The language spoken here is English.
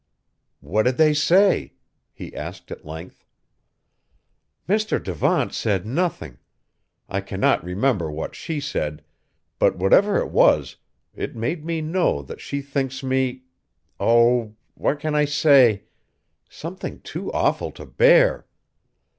"What did they say?" he asked at length. "Mr. Devant said nothing! I cannot remember what she said but whatever it was, it made me know that she thinks me oh! what can I say? something too awful to bear!